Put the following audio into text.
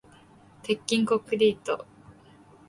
鉄筋コンクリート